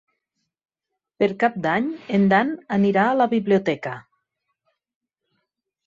Per Cap d'Any en Dan anirà a la biblioteca.